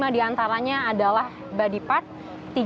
dua puluh lima di antaranya adalah body part